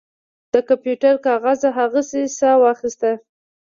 د کمپیوټر کاغذ هغې ساه واخیسته